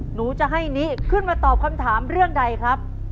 หนูจะให้นิขึ้นมาตอบคำถามเรื่องใดครับ